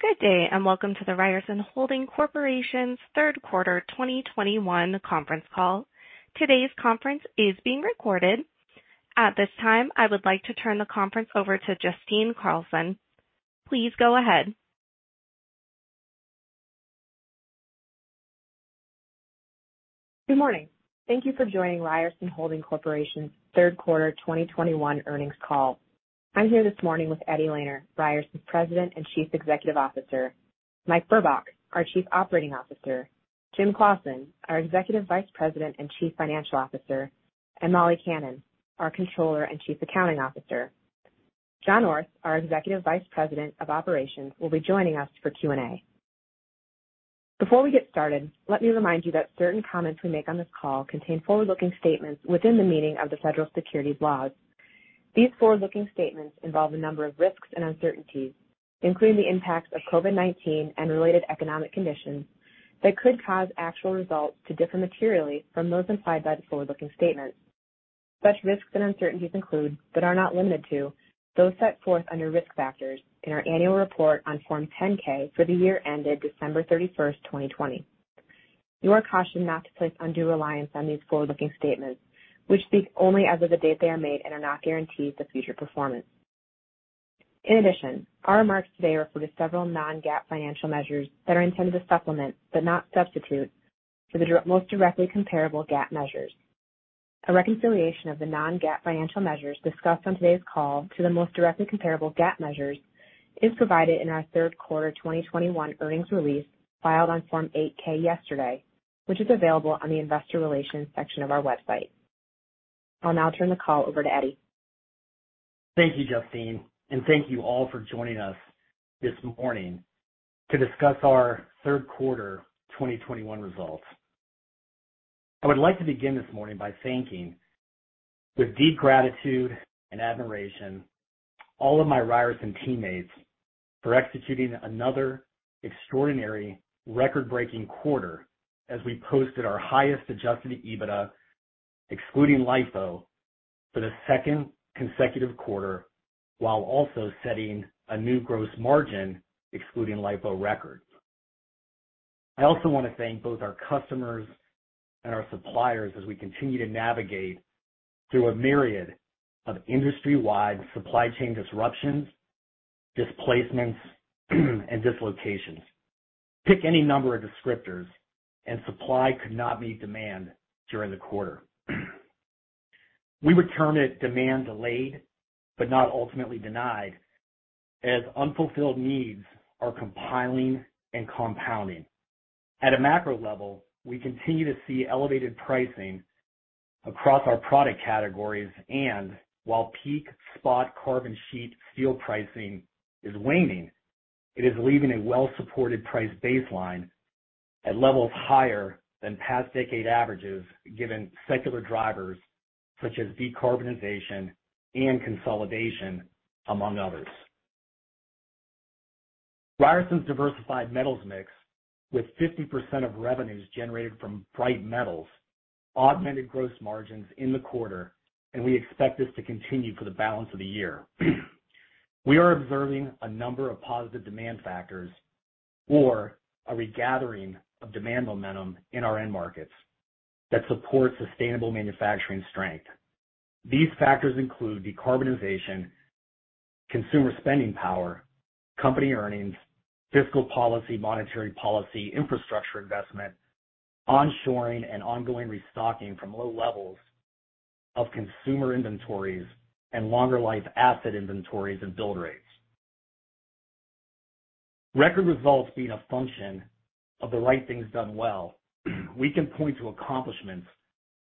Good day, and welcome to the Ryerson Holding Corporation's Third Quarter 2021 Conference Call. Today's conference is being recorded. At this time, I would like to turn the conference over to Justine Carlson. Please go ahead. Good morning. Thank you for joining Ryerson Holding Corporation's Third Quarter 2021 Earnings Call. I'm here this morning with Eddie Lehner, Ryerson's President and Chief Executive Officer, Mike Burbach, our Chief Operating Officer, Jim Claussen, our Executive Vice President and Chief Financial Officer, and Molly Kannan, our Controller and Chief Accounting Officer. John Orth, our Executive Vice President of Operations, will be joining us for Q&A. Before we get started, let me remind you that certain comments we make on this call contain forward-looking statements within the meaning of the federal securities laws. These forward-looking statements involve a number of risks and uncertainties, including the impacts of COVID-19 and related economic conditions, that could cause actual results to differ materially from those implied by the forward-looking statements. Such risks and uncertainties include, but are not limited to, those set forth under risk factors in our annual report on Form 10-K for the year ended December 31st, 2020. You are cautioned not to place undue reliance on these forward-looking statements, which speak only as of the date they are made and are not guarantees of future performance. In addition, our remarks today refer to several non-GAAP financial measures that are intended to supplement, but not substitute, for the most directly comparable GAAP measures. A reconciliation of the non-GAAP financial measures discussed on today's call to the most directly comparable GAAP measures is provided in our third quarter 2021 earnings release filed on Form 8-K yesterday, which is available on the investor relations section of our website. I'll now turn the call over to Eddie. Thank you, Justine, and thank you all for joining us this morning to discuss our third quarter 2021 results. I would like to begin this morning by thanking, with deep gratitude and admiration, all of my Ryerson teammates for executing another extraordinary record-breaking quarter as we posted our highest adjusted EBITDA, excluding LIFO, for the second consecutive quarter, while also setting a new gross margin, excluding LIFO record. I also want to thank both our customers and our suppliers as we continue to navigate through a myriad of industry-wide supply chain disruptions, displacements and dislocations. Pick any number of descriptors, and supply could not meet demand during the quarter. We would term it demand delayed, but not ultimately denied, as unfulfilled needs are compiling and compounding. At a macro level, we continue to see elevated pricing across our product categories, and while peak spot carbon sheet steel pricing is waning, it is leaving a well-supported price baseline at levels higher than past decade averages, given secular drivers such as decarbonization and consolidation, among others. Ryerson's diversified metals mix, with 50% of revenues generated from bright metals, augmented gross margins in the quarter, and we expect this to continue for the balance of the year. We are observing a number of positive demand factors or a regathering of demand momentum in our end markets that support sustainable manufacturing strength. These factors include decarbonization, consumer spending power, company earnings, fiscal policy, monetary policy, infrastructure investment, onshoring, and ongoing restocking from low levels of consumer inventories and longer life asset inventories and build rates. Record results being a function of the right things done well, we can point to accomplishments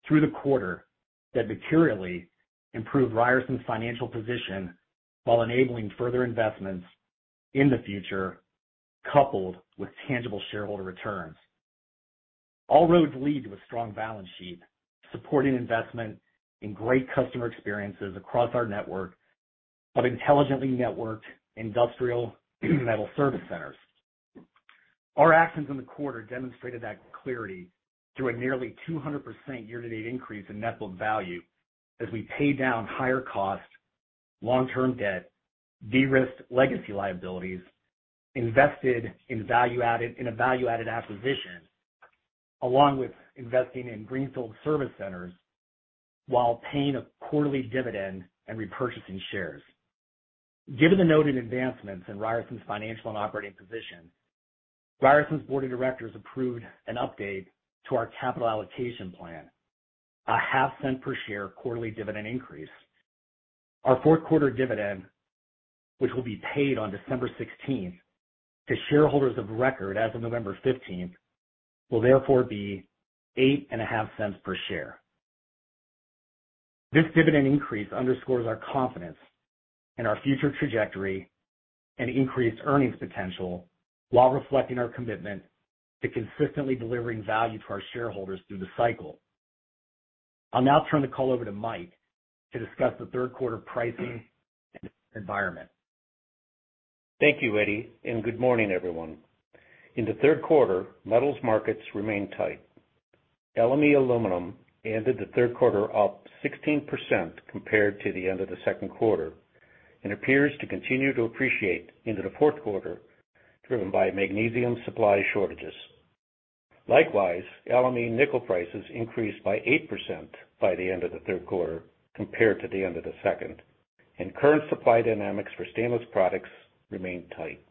through the quarter that materially improve Ryerson's financial position while enabling further investments in the future, coupled with tangible shareholder returns. All roads lead to a strong balance sheet, supporting investment in great customer experiences across our network of intelligently networked industrial metal service centers. Our actions in the quarter demonstrated that clearly through a nearly 200% year-to-date increase in net book value as we pay down higher cost long-term debt, de-risked legacy liabilities, invested in a value-added acquisition, along with investing in greenfield service centers, while paying a quarterly dividend and repurchasing shares. Given the noted advancements in Ryerson's financial and operating position, Ryerson's Board of Directors approved an update to our capital allocation plan, a half cent per share quarterly dividend increase. Our fourth quarter dividend, which will be paid on December 16th, to shareholders of record as of November 15th, will therefore be $0.085 per share. This dividend increase underscores our confidence in our future trajectory and increased earnings potential while reflecting our commitment to consistently delivering value to our shareholders through the cycle. I'll now turn the call over to Mike to discuss the third quarter pricing environment. Thank you, Eddie, and good morning, everyone. In the third quarter, metals markets remained tight. LME aluminum ended the third quarter up 16% compared to the end of the second quarter and appears to continue to appreciate into the fourth quarter, driven by magnesium supply shortages. Likewise, LME nickel prices increased by 8% by the end of the third quarter compared to the end of the second, and current supply dynamics for stainless products remain tight.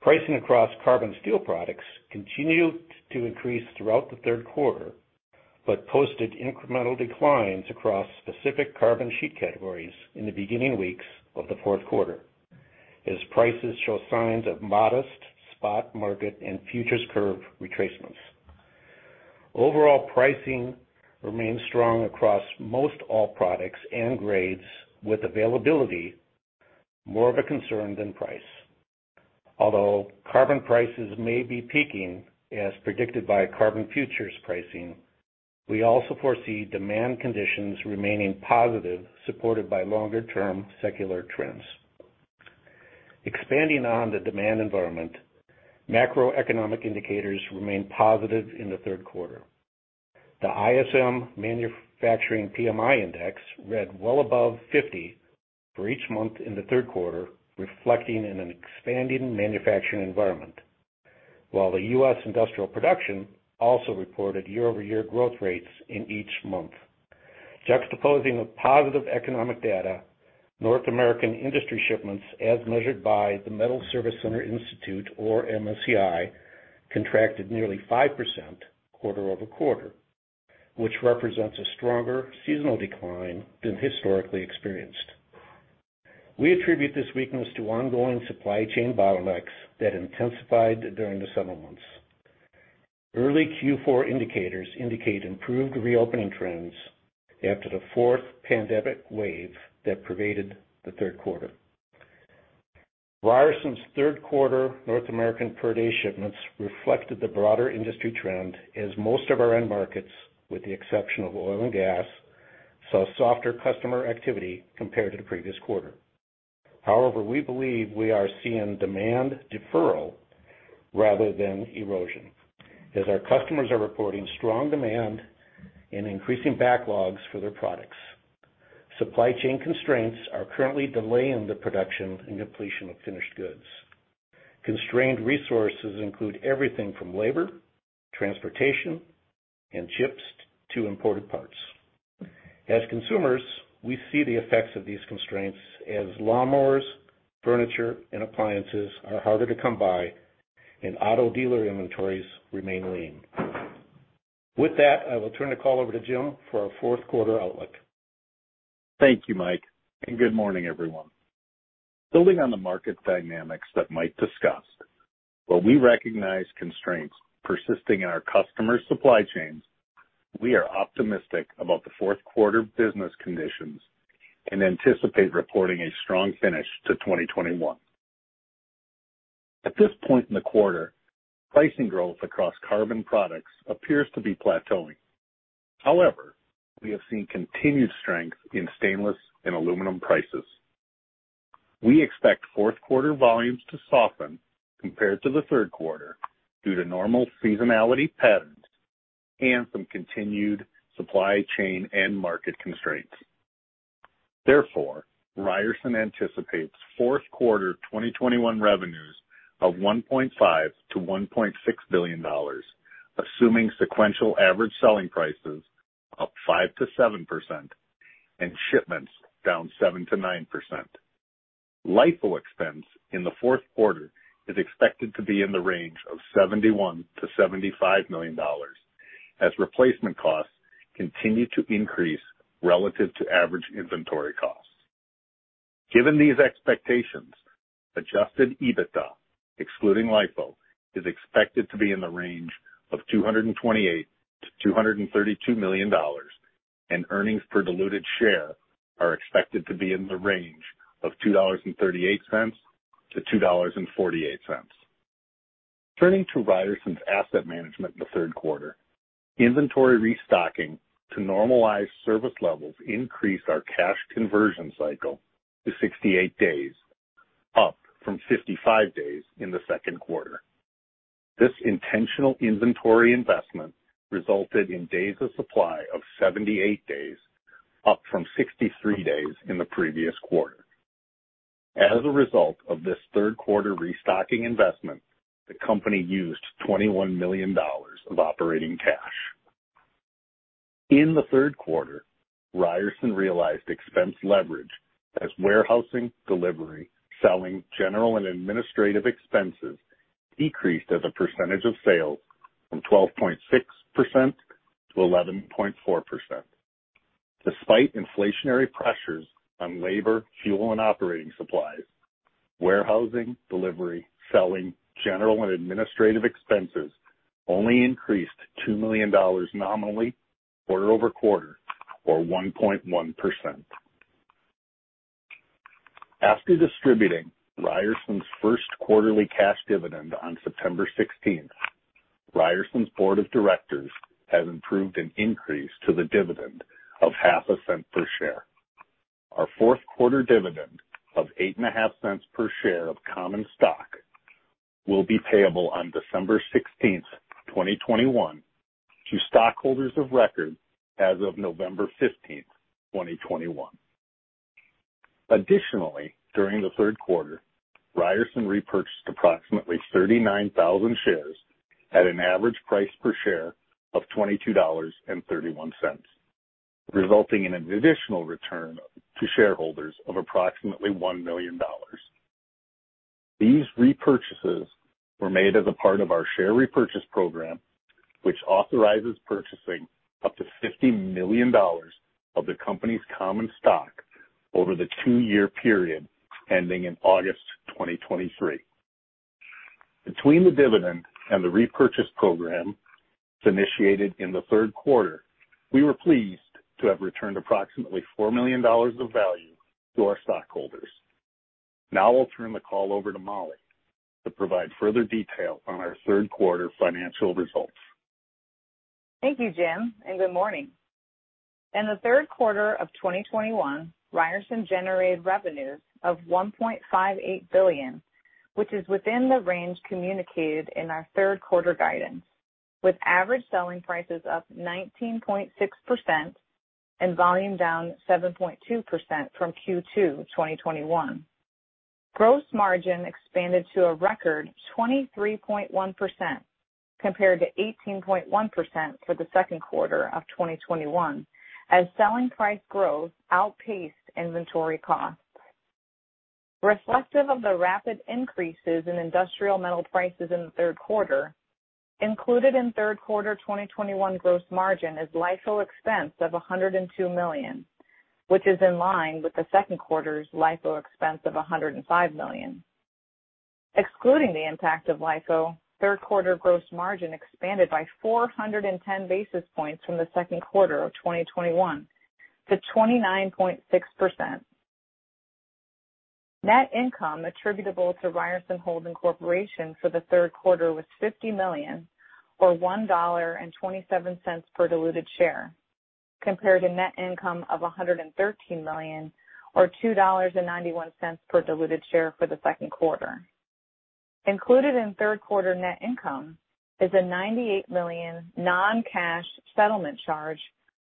Pricing across carbon steel products continued to increase throughout the third quarter, but posted incremental declines across specific carbon sheet categories in the beginning weeks of the fourth quarter, as prices show signs of modest spot market and futures curve retracements. Overall pricing remains strong across most all products and grades, with availability more of a concern than price. Although carbon prices may be peaking as predicted by carbon futures pricing, we also foresee demand conditions remaining positive, supported by longer-term secular trends. Expanding on the demand environment, macroeconomic indicators remained positive in the third quarter. The ISM Manufacturing PMI index read well above 50 for each month in the third quarter, reflecting in an expanding manufacturing environment. The U.S. industrial production also reported year-over-year growth rates in each month. Juxtaposing the positive economic data, North American industry shipments, as measured by the Metals Service Center Institute, or MSCI, contracted nearly 5% quarter-over-quarter, which represents a stronger seasonal decline than historically experienced. We attribute this weakness to ongoing supply chain bottlenecks that intensified during the summer months. Early Q4 indicators indicate improved reopening trends after the fourth pandemic wave that pervaded the third quarter. Ryerson's third quarter North American per-day shipments reflected the broader industry trend as most of our end markets, with the exception of oil and gas, saw softer customer activity compared to the previous quarter. However, we believe we are seeing demand deferral rather than erosion, as our customers are reporting strong demand and increasing backlogs for their products. Supply chain constraints are currently delaying the production and completion of finished goods. Constrained resources include everything from labor, transportation, and ships to imported parts. As consumers, we see the effects of these constraints as lawnmowers, furniture, and appliances are harder to come by and auto dealer inventories remain lean. With that, I will turn the call over to Jim for our fourth quarter outlook. Thank you, Mike, and good morning, everyone. Building on the market dynamics that Mike discussed, while we recognize constraints persisting in our customer supply chains, we are optimistic about the fourth quarter business conditions and anticipate reporting a strong finish to 2021. At this point in the quarter, pricing growth across carbon products appears to be plateauing. However, we have seen continued strength in stainless and aluminum prices. We expect fourth quarter volumes to soften compared to the third quarter due to normal seasonality patterns and some continued supply chain and market constraints. Therefore, Ryerson anticipates fourth quarter 2021 revenues of $1.5 billion-$1.6 billion, assuming sequential average selling prices up 5%-7% and shipments down 7%-9%. LIFO expense in the fourth quarter is expected to be in the range of $71 million-$75 million as replacement costs continue to increase relative to average inventory costs. Given these expectations, adjusted EBITDA, excluding LIFO, is expected to be in the range of $228 million-$232 million, and earnings per diluted share are expected to be in the range of $2.38-$2.48. Turning to Ryerson's asset management in the third quarter. Inventory restocking to normalized service levels increased our cash conversion cycle to 68 days, up from 55 days in the second quarter. This intentional inventory investment resulted in days of supply of 78 days, up from 63 days in the previous quarter. As a result of this third quarter restocking investment, the company used $21 million of operating cash. In the third quarter, Ryerson realized expense leverage as warehousing, delivery, selling, general and administrative expenses decreased as a percentage of sales from 12.6%-11.4%. Despite inflationary pressures on labor, fuel, and operating supplies, warehousing, delivery, selling, general and administrative expenses only increased $2 million nominally quarter-over-quarter or 1.1%. After distributing Ryerson's first quarterly cash dividend on September 16th, Ryerson's board of directors has approved an increase to the dividend of $0.005 per share. Our fourth quarter dividend of $0.085 per share of common stock will be payable on December 16th, 2021, to stockholders of record as of November 15th, 2021. Additionally, during the third quarter, Ryerson repurchased approximately 39,000 shares at an average price per share of $22.31, resulting in an additional return to shareholders of approximately $1 million. These repurchases were made as a part of our share repurchase program, which authorizes purchasing up to $50 million of the company's common stock over the two-year period ending in August 2023. Between the dividend and the repurchase program initiated in the third quarter, we were pleased to have returned approximately $4 million of value to our stockholders. Now I'll turn the call over to Molly to provide further detail on our third quarter financial results. Thank you, Jim, and good morning. In the third quarter of 2021, Ryerson generated revenues of $1.58 billion, which is within the range communicated in our third quarter guidance, with average selling prices up 19.6% and volume down 7.2% from Q2 2021. Gross margin expanded to a record 23.1% compared to 18.1% for the second quarter of 2021 as selling price growth outpaced inventory costs. Reflective of the rapid increases in industrial metal prices in the third quarter, included in third quarter 2021 gross margin is LIFO expense of $102 million, which is in line with the second quarter's LIFO expense of $105 million. Excluding the impact of LIFO, third quarter gross margin expanded by 410 basis points from the second quarter of 2021 to 29.6%. Net income attributable to Ryerson Holding Corporation for the third quarter was $50 million or $1.27 per diluted share, compared to net income of $113 million or $2.91 per diluted share for the second quarter. Included in third quarter net income is a $98 million non-cash settlement charge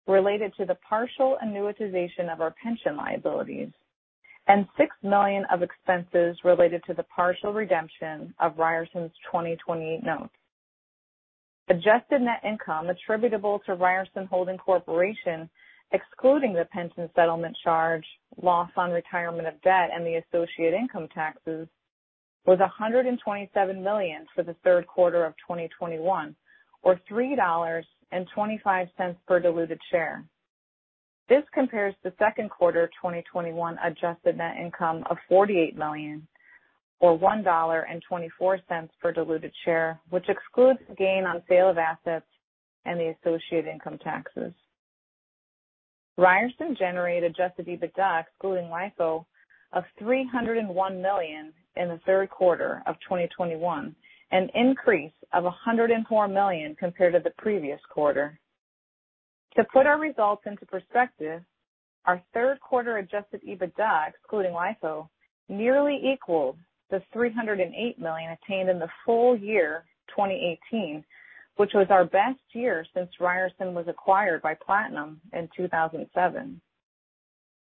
related to the partial annuitization of our pension liabilities and $6 million of expenses related to the partial redemption of Ryerson's 2028 notes. Adjusted net income attributable to Ryerson Holding Corporation, excluding the pension settlement charge, loss on retirement of debt, and the associated income taxes, was $127 million for the third quarter of 2021, or $3.25 per diluted share. This compares to second quarter 2021 adjusted net income of $48 million or $1.24 per diluted share, which excludes the gain on sale of assets and the associated income taxes. Ryerson generated adjusted EBITDA excluding LIFO of $301 million in the third quarter of 2021, an increase of $104 million compared to the previous quarter. To put our results into perspective, our third quarter adjusted EBITDA, excluding LIFO, nearly equals the $308 million attained in the full year 2018, which was our best year since Ryerson was acquired by Platinum in 2007.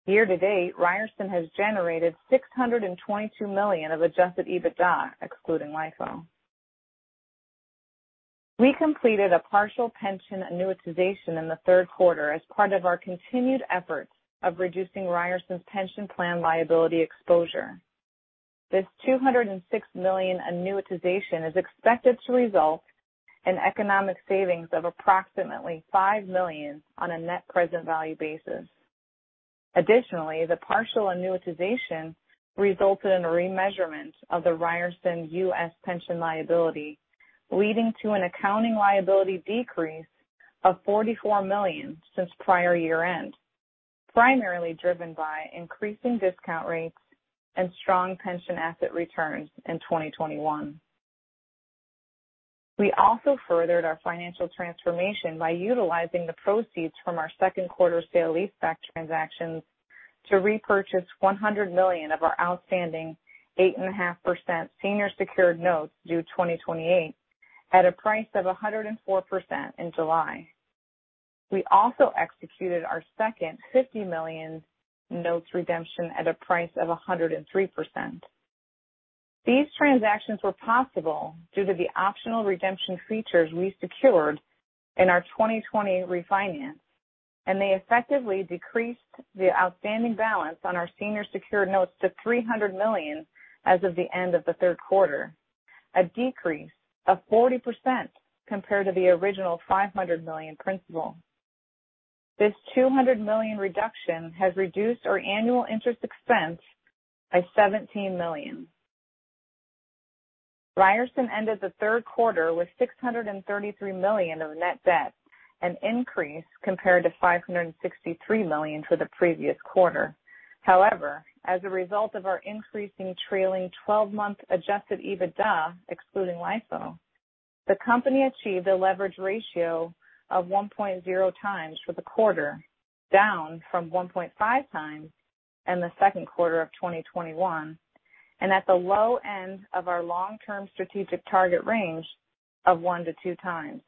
Year-to-date, Ryerson has generated $622 million of adjusted EBITDA, excluding LIFO. We completed a partial pension annuitization in the third quarter as part of our continued efforts of reducing Ryerson's pension plan liability exposure. This $206 million annuitization is expected to result in economic savings of approximately $5 million on a net present value basis. Additionally, the partial annuitization resulted in a remeasurement of the Ryerson U.S. pension liability, leading to an accounting liability decrease of $44 million since prior year-end, primarily driven by increasing discount rates and strong pension asset returns in 2021. We furthered our financial transformation by utilizing the proceeds from our second quarter sale-leaseback transactions to repurchase $100 million of our outstanding 8.5% Senior Secured Notes due 2028 at a price of 104% in July. We also executed our second $50 million Notes redemption at a price of 103%. These transactions were possible due to the optional redemption features we secured in our 2020 refinance, and they effectively decreased the outstanding balance on our Senior Secured Notes to $300 million as of the end of the third quarter, a 40% decrease compared to the original $500 million principal. This $200 million reduction has reduced our annual interest expense by $17 million. Ryerson ended the third quarter with $633 million of net debt, an increase compared to $563 million for the previous quarter. However, as a result of our increasing trailing 12-month adjusted EBITDA excluding LIFO. The company achieved a leverage ratio of 1.0x for the quarter, down from 1.5x in the second quarter of 2021, and at the low end of our long-term strategic target range of 1x-2x.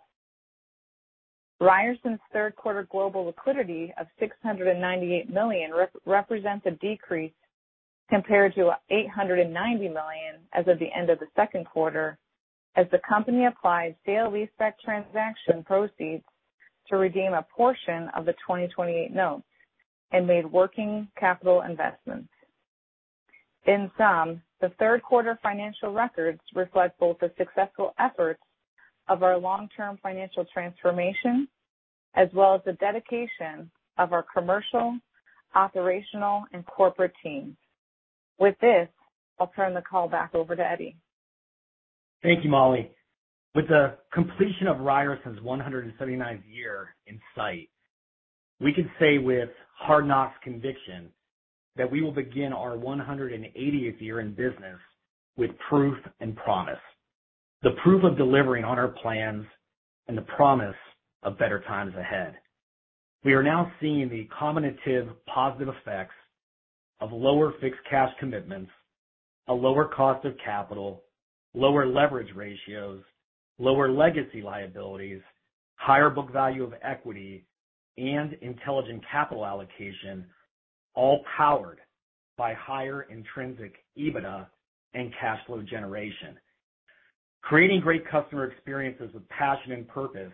Ryerson's third quarter global liquidity of $698 million represents a decrease compared to $890 million as of the end of the second quarter, as the company applies sale leaseback transaction proceeds to redeem a portion of the 2028 Notes and made working capital investments. In sum, the third quarter financial records reflect both the successful efforts of our long-term financial transformation, as well as the dedication of our commercial, operational, and corporate teams. With this, I'll turn the call back over to Eddie. Thank you, Molly. With the completion of Ryerson's 179th year in sight, we can say with hard-knock conviction that we will begin our 180th year in business with proof and promise. The proof of delivering on our plans and the promise of better times ahead. We are now seeing the combinative positive effects of lower fixed cash commitments, a lower cost of capital, lower leverage ratios, lower legacy liabilities, higher book value of equity, and intelligent capital allocation, all powered by higher intrinsic EBITDA and cash flow generation. Creating great customer experiences with passion and purpose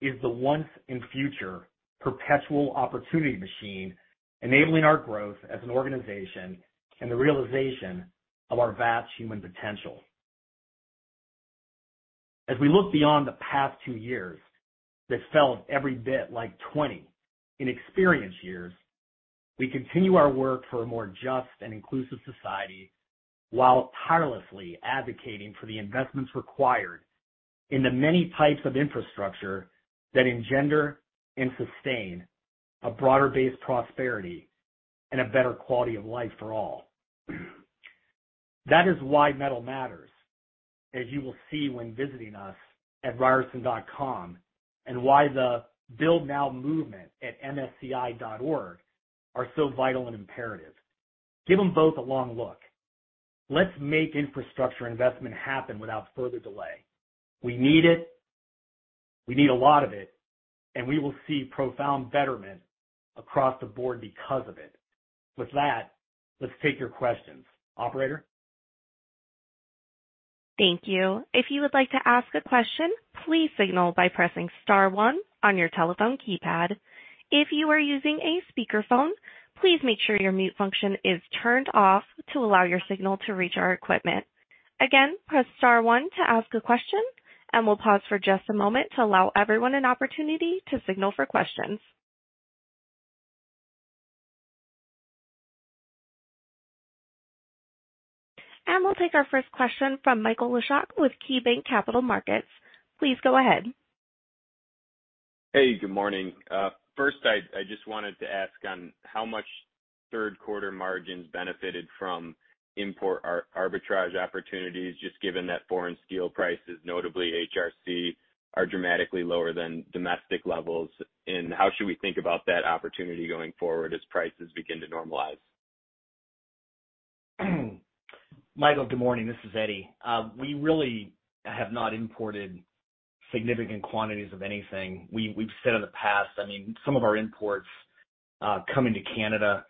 is the once and future perpetual opportunity machine, enabling our growth as an organization and the realization of our vast human potential. As we look beyond the past two years, that felt every bit like 20 in experience years, we continue our work for a more just and inclusive society while tirelessly advocating for the investments required in the many types of infrastructure that engender and sustain a broader-based prosperity and a better quality of life for all. That is why metal matters, as you will see when visiting us at ryerson.com, and why the Build Now movement at msci.org are so vital and imperative. Give them both a long look. Let's make infrastructure investment happen without further delay. We need it. We need a lot of it, and we will see profound betterment across the board because of it. With that, let's take your questions. Operator? Thank you. If you would like to ask a question, please signal by pressing star one on your telephone keypad. If you are using a speakerphone, please make sure your mute function is turned off to allow your signal to reach our equipment. Again, press star one to ask a question, and we'll pause for just a moment to allow everyone an opportunity to signal for questions. We'll take our first question from Michael Leshock with KeyBanc Capital Markets. Please go ahead. Hey, good morning. First, I just wanted to ask on how much third quarter margins benefited from import arbitrage opportunities, just given that foreign steel prices, notably HRC, are dramatically lower than domestic levels. How should we think about that opportunity going forward as prices begin to normalize? Michael, good morning. This is Eddie. We really have not imported significant quantities of anything. We've said in the past, I mean, some of our imports come into Canada,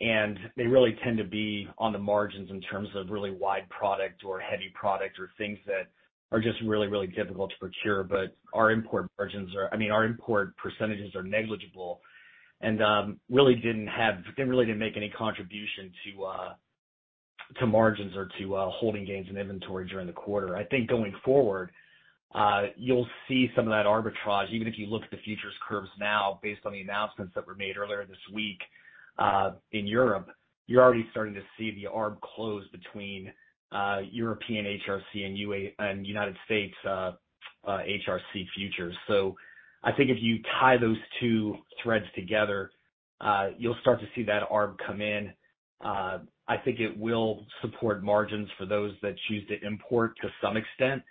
and they really tend to be on the margins in terms of really wide product or heavy product or things that are just really difficult to procure. Our import margins are, I mean, our import percentages are negligible and really didn't really make any contribution to margins or to holding gains in inventory during the quarter. I think going forward, you'll see some of that arbitrage, even if you look at the futures curves now, based on the announcements that were made earlier this week in Europe. You're already starting to see the arb close between European HRC and United States HRC futures. I think if you tie those two threads together, you'll start to see that arb come in. I think it will support margins for those that choose to import to some extent.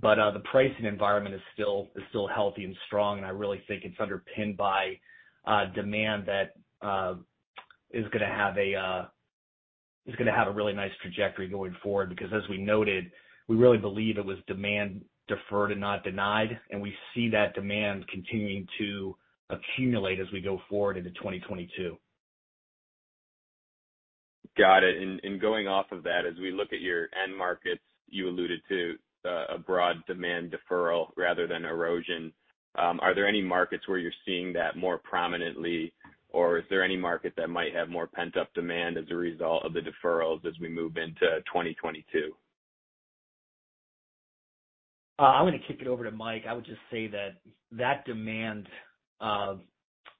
The pricing environment is still healthy and strong, and I really think it's underpinned by demand that is gonna have a really nice trajectory going forward. Because as we noted, we really believe it was demand deferred and not denied, and we see that demand continuing to accumulate as we go forward into 2022. Got it. Going off of that, as we look at your end markets, you alluded to a broad demand deferral rather than erosion. Are there any markets where you're seeing that more prominently, or is there any market that might have more pent-up demand as a result of the deferrals as we move into 2022? I'm gonna kick it over to Mike. I would just say that demand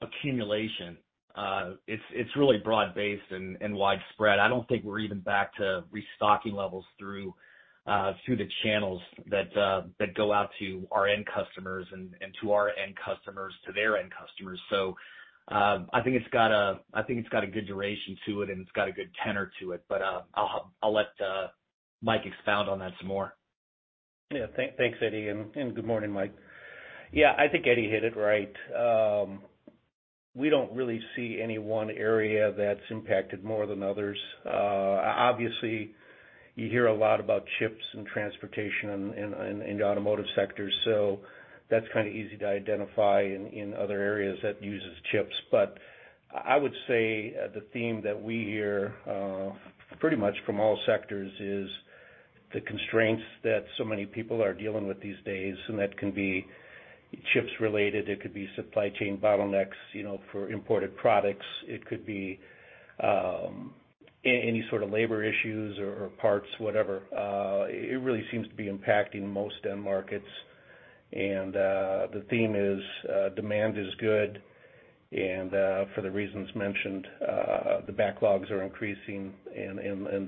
accumulation, it's really broad-based and widespread. I don't think we're even back to restocking levels through the channels that go out to our end customers and to our end customers to their end customers. I think it's got a good duration to it and it's got a good tenor to it. I'll let Mike expound on that some more. Yeah. Thanks, Eddie, and good morning, Mike. Yeah, I think Eddie hit it right. We don't really see any one area that's impacted more than others. Obviously, you hear a lot about chips and transportation and automotive sectors, so that's kinda easy to identify in other areas that uses chips. I would say the theme that we hear pretty much from all sectors is the constraints that so many people are dealing with these days, and that can be chips related. It could be supply chain bottlenecks, you know, for imported products. It could be any sort of labor issues or parts, whatever. It really seems to be impacting most end markets. The theme is demand is good, and for the reasons mentioned, the backlogs are increasing and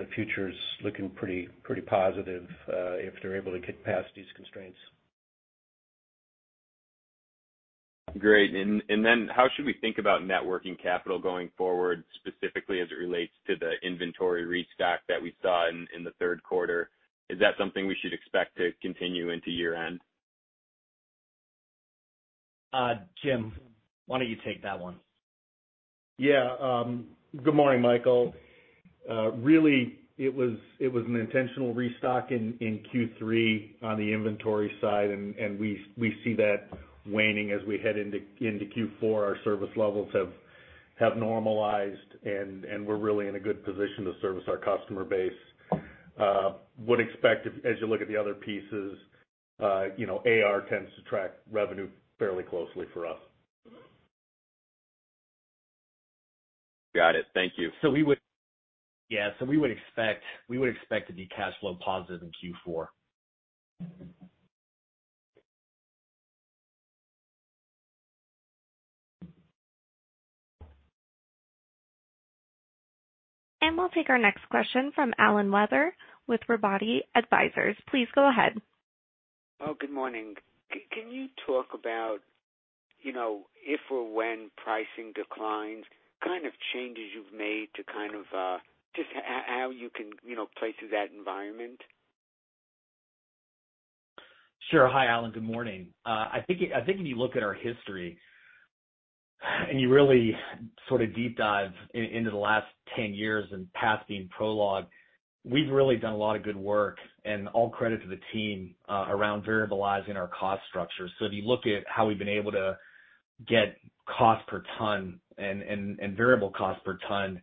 the future's looking pretty positive if they're able to get past these constraints. Great. How should we think about working capital going forward, specifically as it relates to the inventory restock that we saw in the third quarter? Is that something we should expect to continue into year-end? Jim, why don't you take that one? Yeah. Good morning, Michael. Really, it was an intentional restock in Q3 on the inventory side, and we see that waning as we head into Q4. Our service levels have normalized and we're really in a good position to service our customer base. Would expect as you look at the other pieces, you know, AR tends to track revenue fairly closely for us. Got it. Thank you. We would expect to be cash flow positive in Q4. We'll take our next question from Alan Weber with Robotti Advisors. Please go ahead. Good morning. Can you talk about, you know, if or when pricing declines, kind of changes you've made to kind of just how you can, you know, face that environment? Sure. Hi, Alan. Good morning. I think if you look at our history, and you really sort of deep dive into the last 10 years and past being prologue, we've really done a lot of good work, and all credit to the team, around variabilizing our cost structure. If you look at how we've been able to get cost per ton and variable cost per ton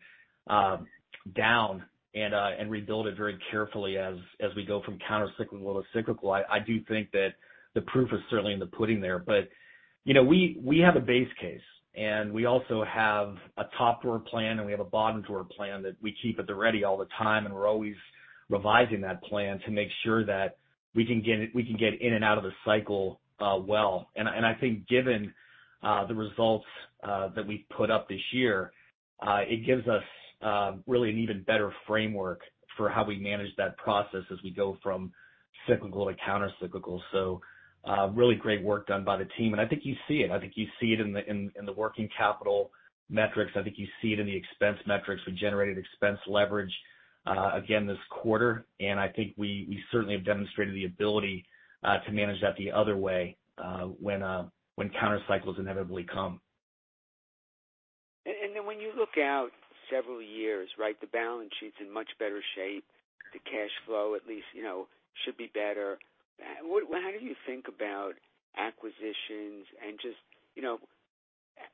down and rebuild it very carefully as we go from countercyclical to cyclical, I do think that the proof is certainly in the pudding there. You know, we have a base case and we also have a top drawer plan, and we have a bottom drawer plan that we keep at the ready all the time, and we're always revising that plan to make sure that we can get in and out of the cycle. I think given the results that we've put up this year, it gives us really an even better framework for how we manage that process as we go from cyclical to countercyclical. Really great work done by the team, and I think you see it. I think you see it in the working capital metrics. I think you see it in the expense metrics. We generated expense leverage again this quarter. I think we certainly have demonstrated the ability to manage that the other way when counter cycles inevitably come. Then when you look out several years, right, the balance sheet's in much better shape. The cash flow at least, you know, should be better. How do you think about acquisitions and just, you know,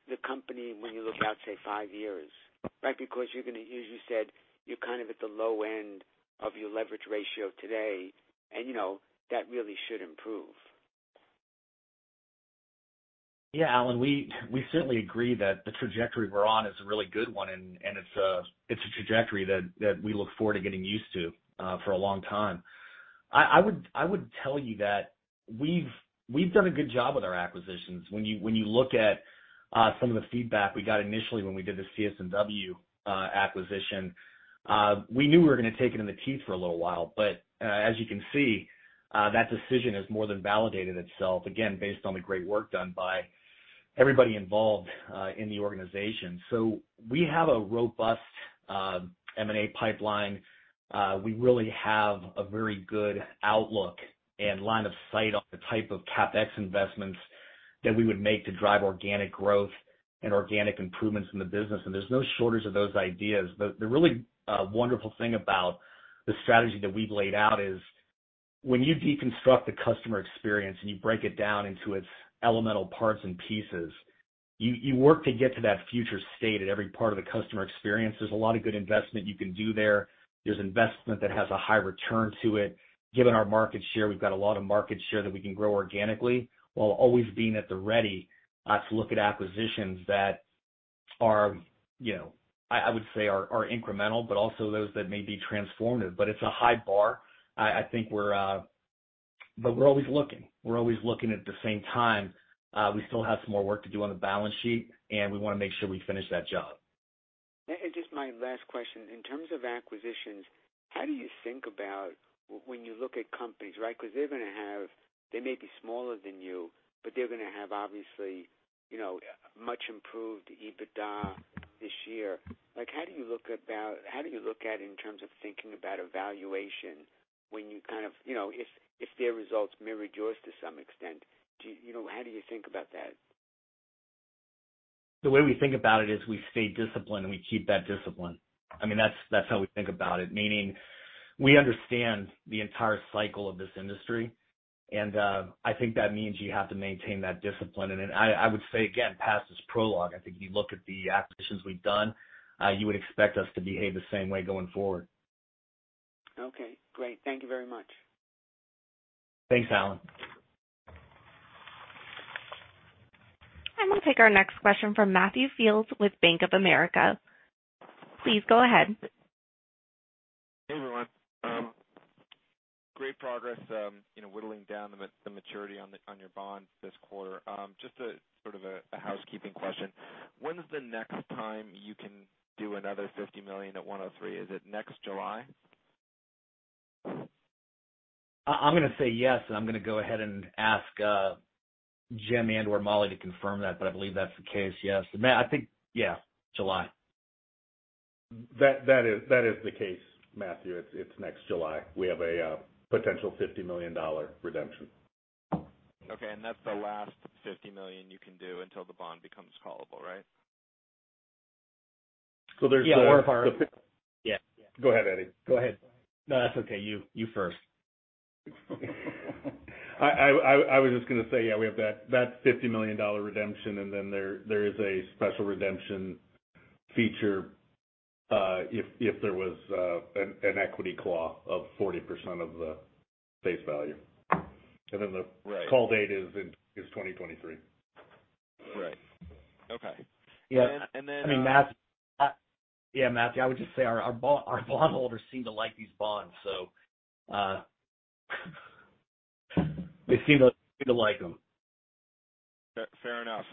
the company when you look out, say, five years, right? Because you're gonna, as you said, you're kind of at the low end of your leverage ratio today. You know, that really should improve. Yeah, Alan, we certainly agree that the trajectory we're on is a really good one, and it's a trajectory that we look forward to getting used to for a long time. I would tell you that we've done a good job with our acquisitions. When you look at some of the feedback we got initially when we did the CSW acquisition, we knew we were gonna take it in the teeth for a little while. As you can see, that decision has more than validated itself, again, based on the great work done by everybody involved in the organization. We have a robust M&A pipeline. We really have a very good outlook and line of sight on the type of CapEx investments that we would make to drive organic growth and organic improvements in the business, and there's no shortage of those ideas. The really wonderful thing about the strategy that we've laid out is when you deconstruct the customer experience and you break it down into its elemental parts and pieces, you work to get to that future state at every part of the customer experience. There's a lot of good investment you can do there. There's investment that has a high return to it. Given our market share, we've got a lot of market share that we can grow organically while always being at the ready to look at acquisitions that are, you know, I would say are incremental, but also those that may be transformative. It's a high bar. I think we're always looking. At the same time, we still have some more work to do on the balance sheet, and we wanna make sure we finish that job. Just my last question, in terms of acquisitions, how do you think about when you look at companies, right? Because they're gonna have. They may be smaller than you, but they're gonna have obviously, you know, much improved EBITDA this year. Like, how do you look at in terms of thinking about a valuation when you kind of, you know, if their results mirror yours to some extent, do you you know, how do you think about that? The way we think about it is we stay disciplined, and we keep that discipline. I mean, that's how we think about it. Meaning we understand the entire cycle of this industry, and I think that means you have to maintain that discipline. I would say again, past is prologue. I think if you look at the acquisitions we've done, you would expect us to behave the same way going forward. Okay, great. Thank you very much. Thanks, Alan. I'm gonna take our next question from Matthew Fields with Bank of America. Please go ahead. Hey, everyone. Great progress, you know, whittling down the maturity on your bonds this quarter. Just a sort of a housekeeping question. When is the next time you can do another $50 million at 103? Is it next July? I'm gonna say yes, and I'm gonna go ahead and ask Jim and/or Molly to confirm that, but I believe that's the case. Yes. Matt, I think, yeah, July. That is the case, Matthew. It's next July. We have a potential $50 million redemption. Okay. That's the last $50 million you can do until the bond becomes callable, right? So there's- Yeah. Yeah. Go ahead, Eddie. Go ahead. No, that's okay. You first. I was just gonna say, yeah, we have that $50 million redemption, and then there is a special redemption feature, if there was an equity claw of 40% of the face value. Then the- Right. Call date is 2023. Right. Okay. Yeah. And then, and then, uh- I mean, Matt, yeah, Matthew, I would just say our bondholders seem to like these bonds, so they seem to like them. Fair enough.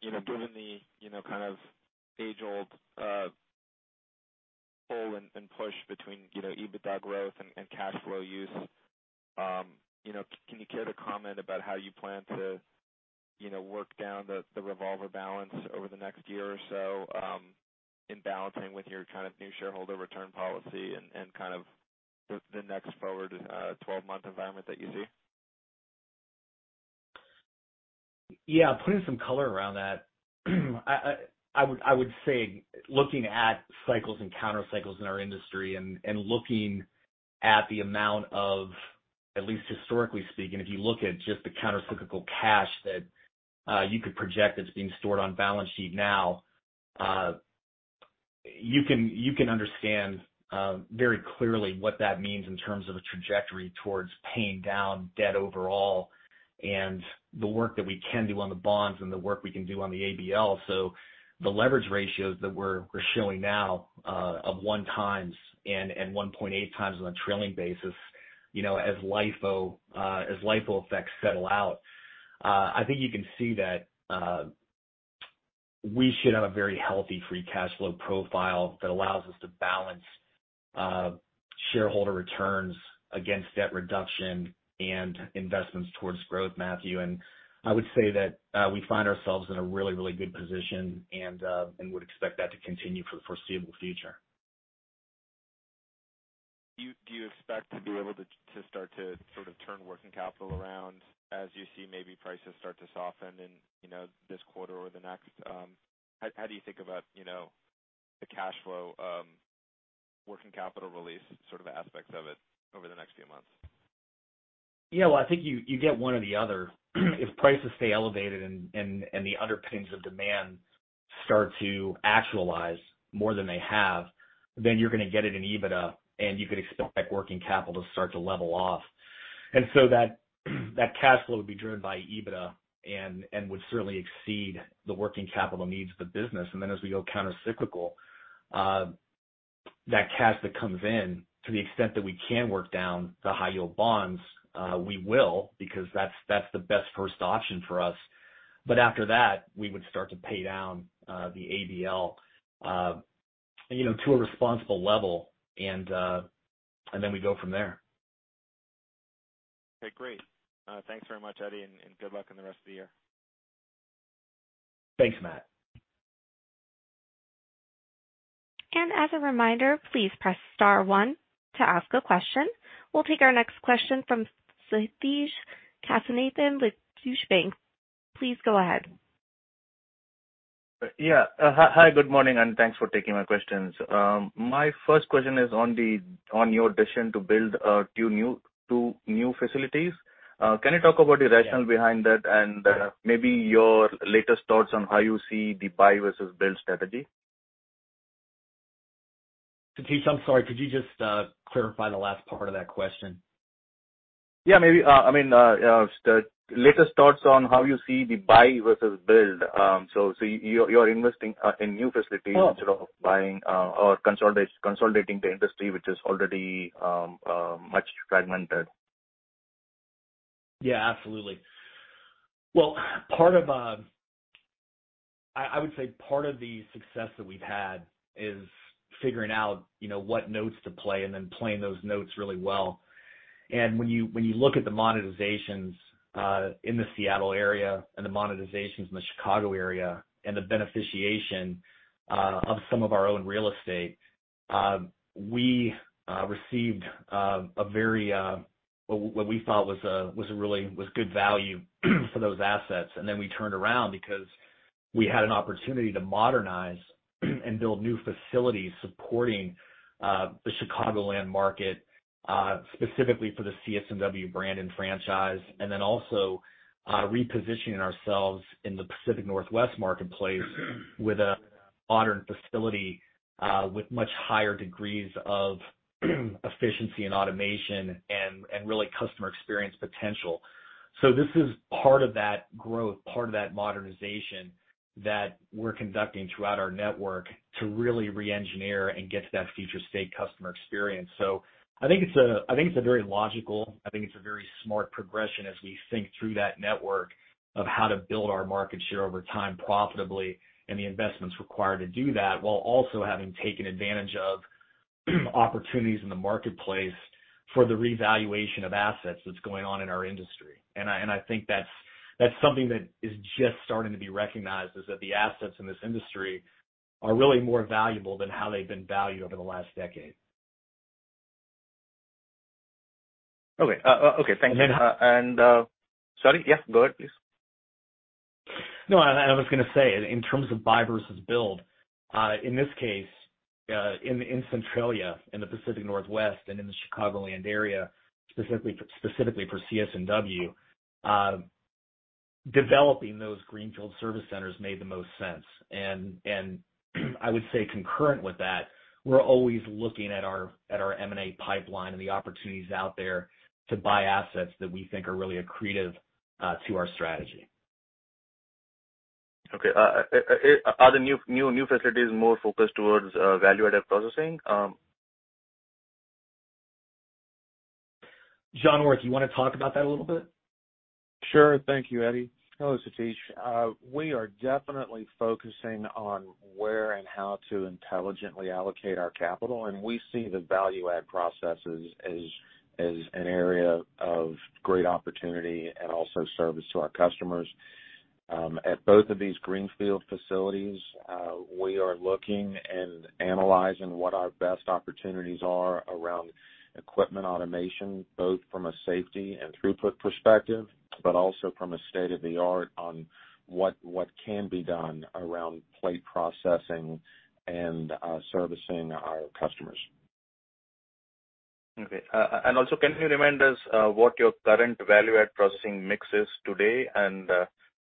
You know, given the you know, kind of age-old pull and push between you know, EBITDA growth and cash flow use, you know, can you care to comment about how you plan to you know, work down the revolver balance over the next year or so, in balancing with your kind of new shareholder return policy and kind of the next forward 12-month environment that you see? Yeah. Putting some color around that, I would say looking at cycles and counter cycles in our industry and looking at the amount of, at least historically speaking, if you look at just the countercyclical cash that you could project that's being stored on balance sheet now, you can understand very clearly what that means in terms of a trajectory towards paying down debt overall and the work that we can do on the bonds and the work we can do on the ABL. The leverage ratios that we're showing now of 1x and 1.8x on a trailing basis, you know, as LIFO effects settle out, I think you can see that we should have a very healthy free cash flow profile that allows us to balance shareholder returns against debt reduction and investments towards growth, Matthew. I would say that we find ourselves in a really good position and would expect that to continue for the foreseeable future. Do you expect to be able to start to sort of turn working capital around as you see maybe prices start to soften in, you know, this quarter or the next? How do you think about, you know, the cash flow, working capital release sort of aspects of it over the next few months? Yeah. Well, I think you get one or the other. If prices stay elevated and the underpinnings of demand start to actualize more than they have, then you're gonna get it in EBITDA, and you could expect working capital to start to level off. That cash flow would be driven by EBITDA and would certainly exceed the working capital needs of the business. As we go countercyclical, that cash that comes in, to the extent that we can work down the high yield bonds, we will because that's the best first option for us. After that, we would start to pay down the ABL, you know, to a responsible level and then we go from there. Okay, great. Thanks very much, Eddie, and good luck in the rest of the year. Thanks, Matt. As a reminder, please press star one to ask a question. We'll take our next question from Sathish Kasinathan with Deutsche Bank. Please go ahead. Yeah. Hi, good morning, and thanks for taking my questions. My first question is on your decision to build two new facilities. Can you talk about the rationale behind that and maybe your latest thoughts on how you see the buy versus build strategy? Sathish, I'm sorry. Could you just clarify the last part of that question? Yeah. Maybe, I mean, the latest thoughts on how you see the buy versus build. So, you're investing in new facilities- Oh. Instead of buying or consolidating the industry, which is already much fragmented. Yeah, absolutely. Well, part of the success that we've had is figuring out, you know, what notes to play and then playing those notes really well. When you look at the monetizations in the Seattle area and the monetizations in the Chicago area and the beneficiation of some of our own real estate, we received a very what we thought was a really good value for those assets. Then we turned around because we had an opportunity to modernize and build new facilities supporting the Chicagoland market, specifically for the CSW brand and franchise, and then also repositioning ourselves in the Pacific Northwest marketplace with a modern facility with much higher degrees of efficiency and automation and really customer experience potential. This is part of that growth, part of that modernization that we're conducting throughout our network to really re-engineer and get to that future state customer experience. I think it's a very logical, very smart progression as we think through that network of how to build our market share over time profitably and the investments required to do that, while also having taken advantage of opportunities in the marketplace for the revaluation of assets that's going on in our industry. I think that's something that is just starting to be recognized, is that the assets in this industry are really more valuable than how they've been valued over the last decade. Okay, thank you. Yeah. Sorry. Yes, go ahead, please. No, I was gonna say, in terms of buy versus build, in this case, in Centralia, in the Pacific Northwest and in the Chicagoland area, specifically for CSW, developing those greenfield service centers made the most sense. I would say concurrent with that, we're always looking at our M&A pipeline and the opportunities out there to buy assets that we think are really accretive to our strategy. Okay. Are the new facilities more focused towards value-added processing? John Orth, you wanna talk about that a little bit? Sure. Thank you, Eddie. Hello, Sathish. We are definitely focusing on where and how to intelligently allocate our capital, and we see the value add processes as an area of great opportunity and also service to our customers. At both of these greenfield facilities, we are looking and analyzing what our best opportunities are around equipment automation, both from a safety and throughput perspective, but also from a state-of-the-art on what can be done around plate processing and servicing our customers. Okay. Can you remind us what your current value add processing mix is today, and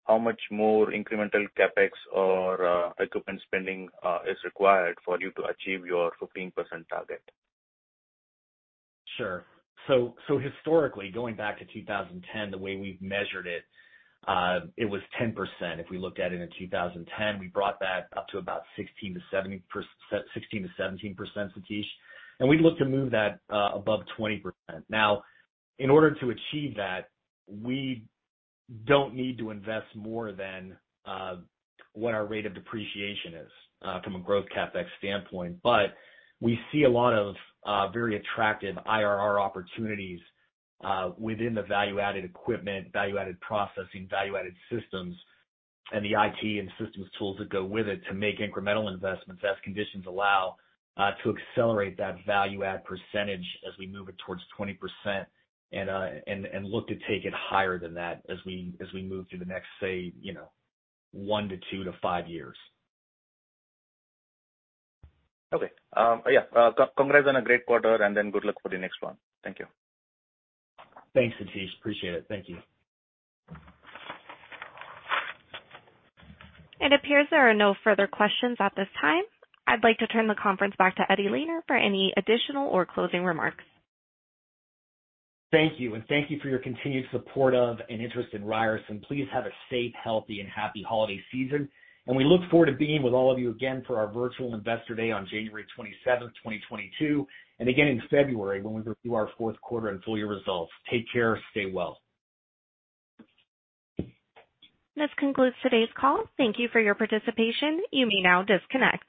how much more incremental CapEx or equipment spending is required for you to achieve your 15% target? Sure. Historically, going back to 2010, the way we've measured it was 10%. If we looked at it in 2010, we brought that up to about 16%-17%, Sathish. We'd look to move that above 20%. In order to achieve that, we don't need to invest more than what our rate of depreciation is from a growth CapEx standpoint. We see a lot of very attractive IRR opportunities within the value-added equipment, value-added processing, value-added systems, and the IT and systems tools that go with it to make incremental investments as conditions allow to accelerate that value add percentage as we move it towards 20% and look to take it higher than that as we move through the next, say, you know, one to two, to five years. Okay. Yeah. Congrats on a great quarter, and then good luck for the next one. Thank you. Thanks, Sathish. Appreciate it. Thank you. It appears there are no further questions at this time. I'd like to turn the conference back to Eddie Lehner for any additional or closing remarks. Thank you, and thank you for your continued support of and interest in Ryerson. Please have a safe, healthy, and happy holiday season, and we look forward to being with all of you again for our virtual Investor Day on January 27th, 2022, and again in February when we review our fourth quarter and full year results. Take care. Stay well. This concludes today's call. Thank you for your participation. You may now disconnect.